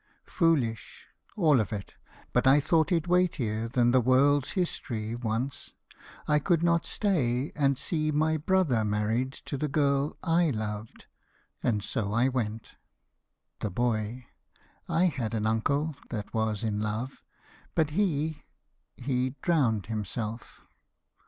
Foolish, All of it! But I thought it weightier Than the world's history, once. I could not stay And see my brother married to the girl I loved; and so I went. THE BOY. I had an uncle That was in love. But he he drowned himself.